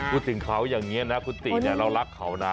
พูดถึงเขาอย่างนี้นะคุณติเนี่ยเรารักเขานะ